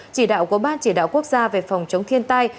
chỉ đạo của ban chỉ đạo quốc gia về phòng chống thiên tai